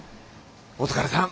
お疲れさん。